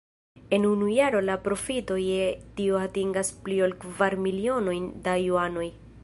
En unu jaro la profito je tio atingas pli ol kvar milionojn da juanoj.